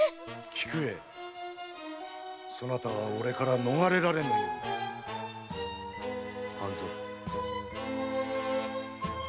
菊絵そなたは俺から逃れられぬようだ半蔵。